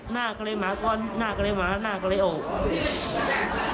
หน้ากระเลยหมาหอดหน้ากระเลยหมาหน้ากระเลยหก